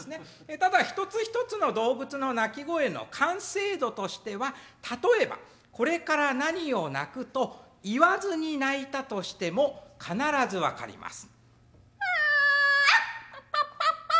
ただ一つ一つの動物の鳴き声の完成度としては例えばこれから何を鳴くと言わずに鳴いたとしても必ず分かります。